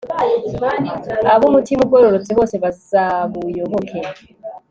ab'umutima ugororotse bose bazabuyoboke